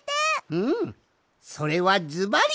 うんそれはずばり！